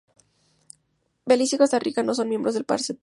Belice y Costa Rica no son miembros del Parlacen.